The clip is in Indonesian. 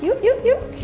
yuk yuk yuk